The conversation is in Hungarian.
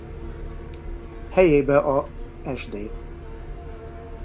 Helyébe a Sd.